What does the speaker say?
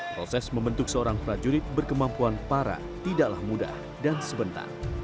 proses membentuk seorang prajurit berkemampuan para tidaklah mudah dan sebentar